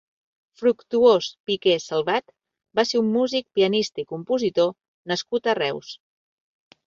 Fructuós Piqué Salvat va ser un músic, pianista i compositor nascut a Reus.